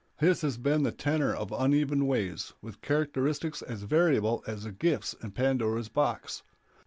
His has been the tenor of uneven ways, with characteristics as variable as the gifts in Pandora's box.